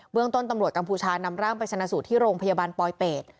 เรื่องต้นตำรวจกัมพูชานำร่างไปชนะสูตรที่โรงพยาบาลปลอยเป็ด